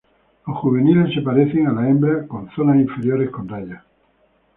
Los juveniles se parecen a la hembra con zonas inferiores con rayas.